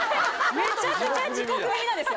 めちゃくちゃ地獄耳なんですよ。